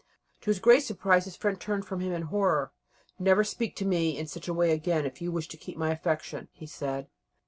To his great surprise his friend turned from him in horror. "Never speak to me in such a way again if you wish to keep my affection," he said.